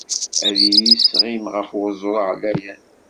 A iyi-isɣim ɣef uẓru ɛlayen.